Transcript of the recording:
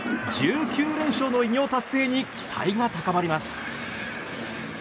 １９連勝の偉業達成に期待が高まります。